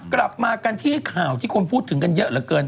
กลับมากันที่ข่าวที่คนพูดถึงกันเยอะเหลือเกิน